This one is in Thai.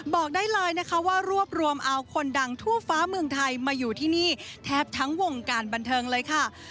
บอกได้เลยนะคะว่ารวบรวมเอาคนดังทั่วฟ้าเมืองไทยมาอยู่ที่นี่แทบทั้งวงการบันเทิงเลยค่ะ